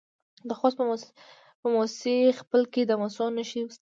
د خوست په موسی خیل کې د مسو نښې شته.